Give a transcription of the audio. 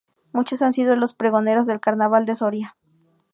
Muchos han sido los pregoneros del Carnaval de Soria.